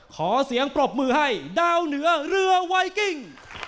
ขอเสียงปรบมือให้ดาวเหนือเรือไวกิ้ง